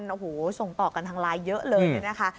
โอ้โหส่งต่อกันทางไลน์เยอะเลยเนี่ยนะคะ